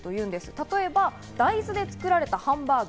例えば、大豆で作られたハンバーグ。